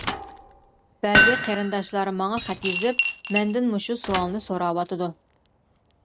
بەزى قېرىنداشلار ماڭا خەت يېزىپ، مەندىن مۇشۇ سوئالنى سوراۋاتىدۇ.